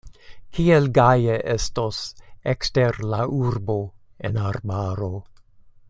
Kiel gaje estos ekster la urbo, en arbaro!